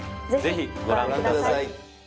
ぜひご覧ください